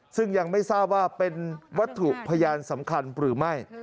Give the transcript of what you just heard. ซึ่งยังไม่ทราบว่าเป็นวัตถุพยานสำคัญหรือไม่